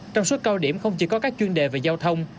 trong suốt cao điểm không chỉ có các chuyên đề về giao thông